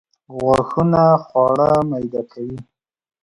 غاښونه خواړه میده کوي